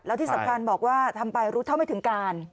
แล้วที่สำคัญบอกว่าทำไปรู้เท่าไม่ถึงการ